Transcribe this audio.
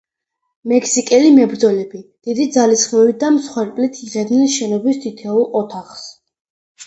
მექსიკელი მებრძოლები, დიდი ძალისხმევით და მსხვერპლით იღებდნენ შენობის თითოეულ ოთახს.